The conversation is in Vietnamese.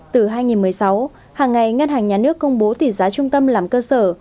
từ hai nghìn một mươi sáu hàng ngày ngân hàng nhà nước công bố tỷ giá trung tâm làm cơ sở